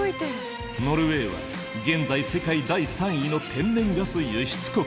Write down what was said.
ノルウェーは現在世界第３位の天然ガス輸出国。